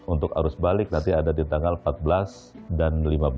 untuk arus balik nanti ada di tanggal empat belas dan lima belas